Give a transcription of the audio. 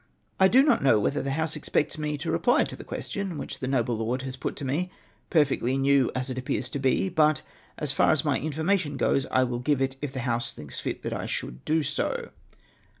— I do not know whether the House expects me to reply to the questions which the noble lord has put to me, perfectly new as one appears to be ; but, as far as my information goes, I will give it, if the House thinks fit that I should do so.